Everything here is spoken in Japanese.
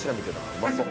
うまそう。